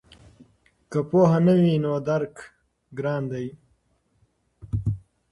که پوهه نه وي نو درک ګران دی.